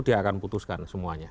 dia akan putuskan semuanya